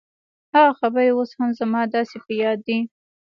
هغه خبرې اوس هم زما داسې په ياد دي.